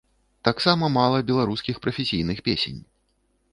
Таксама мала беларускіх прафесійных песень.